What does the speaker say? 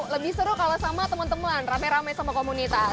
lebih seru kalau sama teman teman rame rame sama komunitas